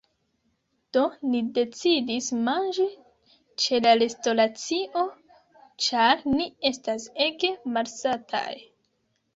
Do, ni decidis manĝi ĉe la restoracio ĉar ni estas ege malsataj